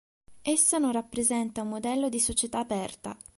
Essa non rappresenta un modello di società aperta.